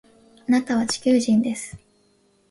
あなたは地球人です